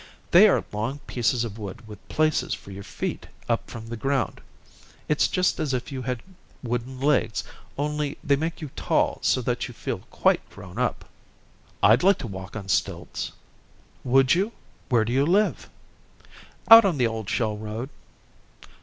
"They are long pieces of wood with places for your feet up from the ground. It's just as if you had wooden legs, only they make you tall so that you feel quite grown up." "I'd like to walk on stilts." "Would you? Where do you live?" "Out on the old shell road."